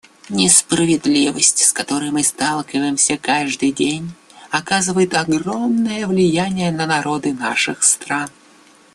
Несправедливость, с которой мы сталкиваемся каждый день, оказывает огромное влияние на народы наших стран.